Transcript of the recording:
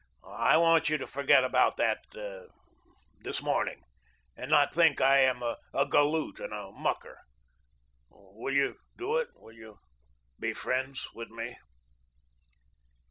I want you to forget about that this morning, and not think I am a galoot and a mucker. Will you do it? Will you be friends with me?"